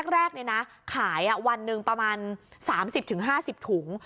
แรกขายวันหนึ่งประมาณ๓๐๕๐ถุง